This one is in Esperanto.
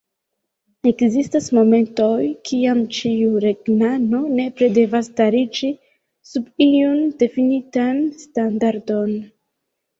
Ekzistas momentoj, kiam ĉiu regnano nepre devas stariĝi sub iun difinitan standardon.